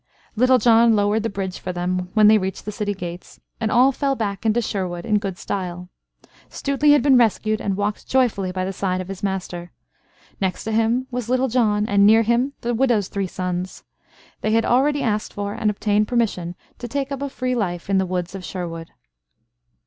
Little John lowered the bridge for them, when they reached the city gates, and all fell back into Sherwood in good style. Stuteley had been rescued, and walked joyfully by the side of his master. Next to him was Little John, and near him the widow's three sons. They had already asked for and obtained permission to take up a free life in the woods of Sherwood.